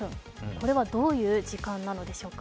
これはどういう時間なのでしょうか。